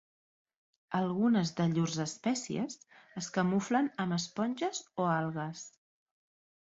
Algunes de llurs espècies es camuflen amb esponges o algues.